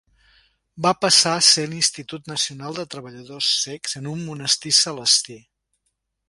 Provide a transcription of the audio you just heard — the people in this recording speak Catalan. Va passar a ser l'Institut Nacional de treballadors cecs en un monestir celestí.